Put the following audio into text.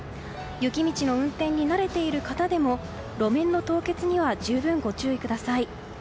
雪道の運転に慣れている方でも路面の凍結には十分ご注意ください。